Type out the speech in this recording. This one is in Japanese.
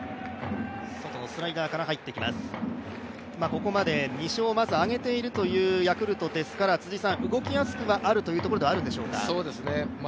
ここまで２勝まず挙げているというヤクルトですから辻さん、動きやすくはあるということではあるんでしょうか。